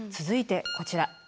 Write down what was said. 続いてこちら。